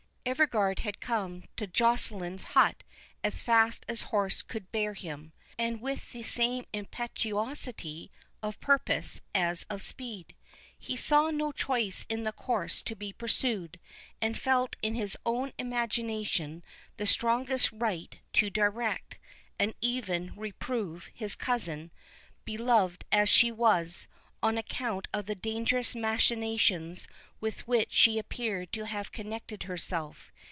Everard had come to Joceline's hut as fast as horse could bear him, and with the same impetuosity of purpose as of speed. He saw no choice in the course to be pursued, and felt in his own imagination the strongest right to direct, and even reprove, his cousin, beloved as she was, on account of the dangerous machinations with which she appeared to have connected herself.